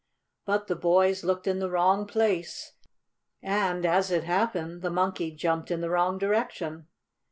But the boys looked in the wrong place, and, as it happened, the Monkey jumped in the wrong direction.